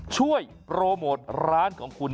ช่วยโปรโมทร้านของคุณ